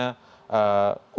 untuk melibatkan kesehatan